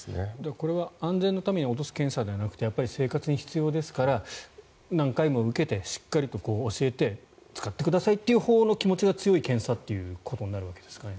安全のために検査をするんじゃなくて生活に必要ですから何回も受けて、しっかり教えて使ってくださいというほうの気持ちが強い検査となるわけですかね。